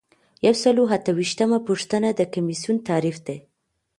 یو سل او اته ویشتمه پوښتنه د کمیسیون تعریف دی.